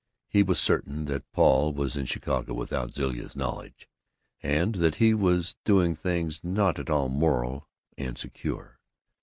He was certain that Paul was in Chicago without Zilla's knowledge, and that he was doing things not at all moral and secure.